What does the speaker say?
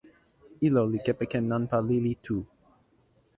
ilo li kepeken nanpa lili tu.